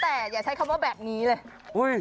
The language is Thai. แต่อย่าใช้คำว่าแบบนี้เลย